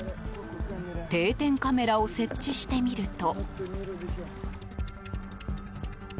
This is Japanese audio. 定点カメラを設置してみると。